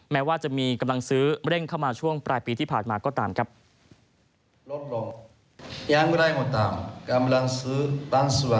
แม้ว่าจะมีกำลังซื้อเร่งเข้ามาช่วงปลายปีที่ผ่านมาก็ตามครับ